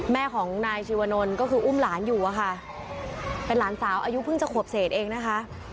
แม่ของนายชีวนลก็คืออุ้มหลานอยู่อะค่ะเป็นหลานสาวอายุเพิ่งจะขวบเศษเองนะคะ